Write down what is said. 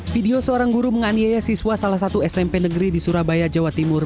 video seorang guru menganiaya siswa salah satu smp negeri di surabaya jawa timur